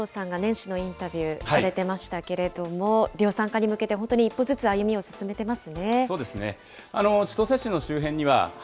小池社長には安藤さんが年初にインタビューされてましたけども、量産化に向けて、本当に一歩ずつ、歩みを進めてますね。